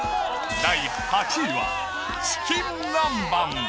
第８位は、チキン南蛮。